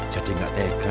jadi gak tegas